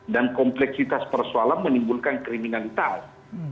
dan kompleksitas persoalan menimbulkan kriminalitas